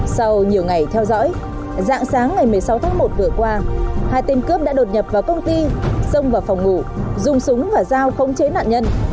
sau nhiều ngày theo dõi dạng sáng ngày một mươi sáu tháng một vừa qua hai tên cướp đã đột nhập vào công ty xông vào phòng ngủ dùng súng và dao không chế nạn nhân